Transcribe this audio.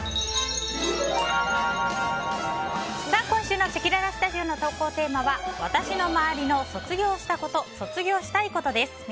今週のせきららスタジオの投稿テーマは私のまわりの卒業したこと卒業したいことです。